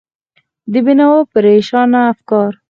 د بېنوا پرېشانه افکار